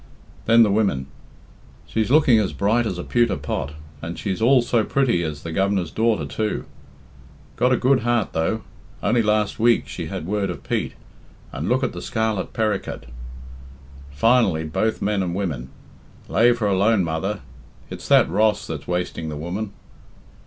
Then the women: "She's looking as bright as a pewter pot, and she's all so pretty as the Govenar's daughter too." "Got a good heart, though. Only last week she had word of Pete, and look at the scarlet perricut." Finally both men and women: "Lave her alone, mother; it's that Ross that's wasting the woman."